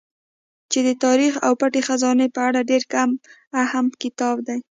چې د تاريڅ او پټې خزانې په اړه ډېر اهم کتاب دی